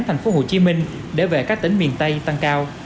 thành phố hồ chí minh để về các tỉnh miền tây tăng cao